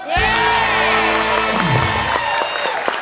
ถูก